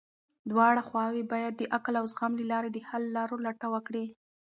دواړه خواوې بايد د عقل او زغم له لارې د حل لارو لټه وکړي.